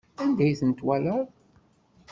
Anda ay ten-twalaḍ?